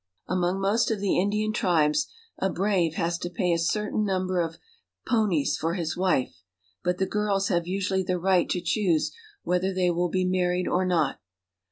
Among most of the Indian tribes, a brave has to pay a certain number of ponies for his wife ; but the girls have usually the right to choose whether they will be married or not.